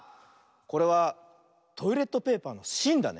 これはトイレットペーパーのしんだね。